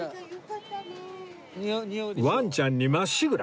ワンちゃんにまっしぐら！